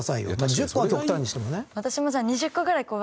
１０個は極端にしてもね。